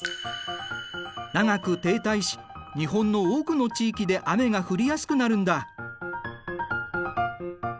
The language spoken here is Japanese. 長く停滞し日本の多くの地域で雨が降りやすくなるんだ。